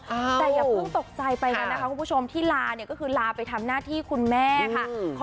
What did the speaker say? แต่อย่าเพิ่งตกใจไปกันนะคะคุณผู้ชมที่ลาเนี่ยก็คือลาไปทำหน้าที่คุณแม่ค่ะ